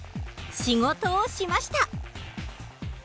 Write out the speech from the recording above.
仕事をしました。